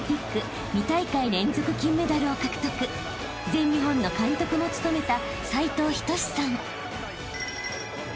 ［全日本の監督も務めた］